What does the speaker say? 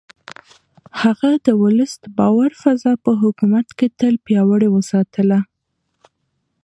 هغه د ولس د باور فضا په حکومت کې تل پياوړې وساتله.